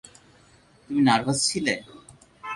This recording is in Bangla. তুমি নার্ভাস ছিলে?